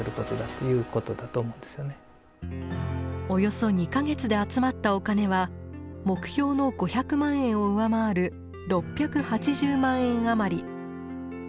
およそ２か月で集まったお金は目標の５００万円を上回る６８０万円余り。